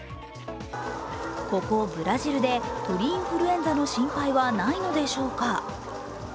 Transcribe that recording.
ここブラジルで鳥インフルエンザの心配はないのでしょうか。